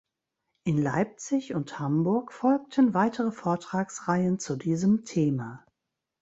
In Leipzig und Hamburg folgten weitere Vortragsreihen zu diesem Thema.